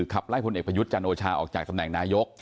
ขับไล่พลเอกประยุทธ์จันโอชาออกจากตำแหน่งนายก